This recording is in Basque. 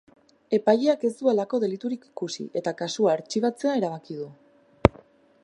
Epaileak ez du halako deliturik ikusi eta kasua artxibatzea erabaki du.